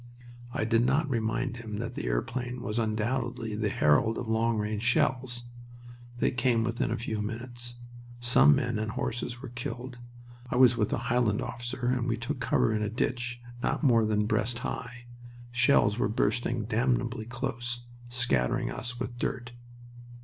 I did not remind him that the airplane was undoubtedly the herald of long range shells. They came within a few minutes. Some men and horses were killed. I was with a Highland officer and we took cover in a ditch not more than breast high. Shells were bursting damnably close, scattering us with dirt.